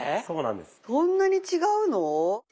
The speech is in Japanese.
そんなに違うの？